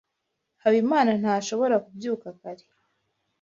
Habimana ntazashobora kubyuka kare.